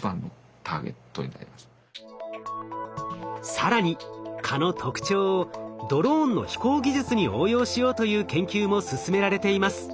更に蚊の特徴をドローンの飛行技術に応用しようという研究も進められています。